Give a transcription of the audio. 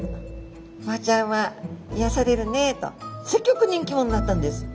「ボウちゃんは癒やされるね」とすっギョく人気者になったんです。